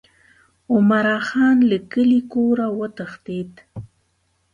عمرا خان له کلي کوره وتښتېد.